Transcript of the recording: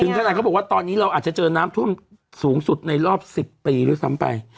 ขนาดเขาบอกว่าตอนนี้เราอาจจะเจอน้ำท่วมสูงสุดในรอบ๑๐ปีด้วยซ้ำไป